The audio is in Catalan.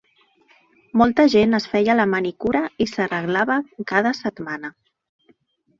Molta gent es feia la manicura i s'arreglava cada setmana.